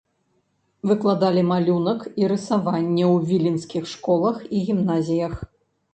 Выкладалі малюнак і рысаванне ў віленскіх школах і гімназіях.